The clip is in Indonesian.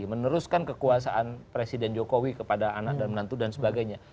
meneruskan kekuasaan presiden jokowi kepada anak dan menantu dan sebagainya